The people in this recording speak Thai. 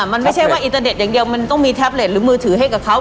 มันไม่ใช่ว่าอินเตอร์เน็ตอย่างเดียวมันต้องมีแท็บเล็ตหรือมือถือให้กับเขา